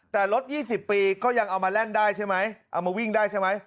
แต่รถ๒๐ปีก็ยังเอามาแล่นได้ใช่ไหมเอามาวิ่งได้ใช่ไหม